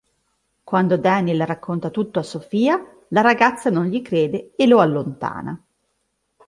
Quando Daniel racconta tutto a Sofía, la ragazza non gli crede e lo allontana.